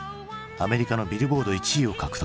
アメリカのビルボード１位を獲得。